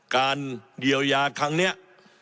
การเยียวยาครั้งนี้